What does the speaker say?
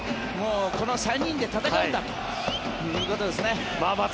この３人で戦うんだということですね。